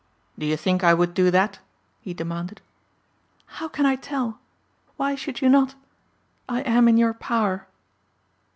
"Do you think I would do that?" he demanded. "How can I tell? Why should you not? I am in your power."